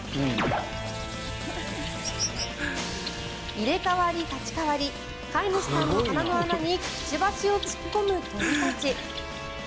入れ代わり立ち代わり飼い主さんの鼻の穴にくちばしを突っ込む鳥たち。